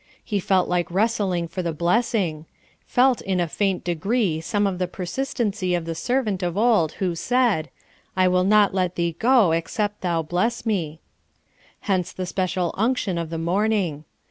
He felt like wrestling for the blessing felt in a faint degree some of the persistency of the servant of old who said: "I will not let thee go, except thou bless me." Hence the special unction of the morning.